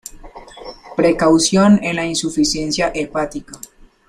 Precaución en la insuficiencia hepática.